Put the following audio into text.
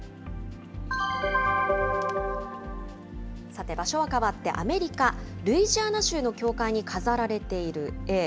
さて場所は変わって、アメリカ・ルイジアナ州の教会に飾られている絵。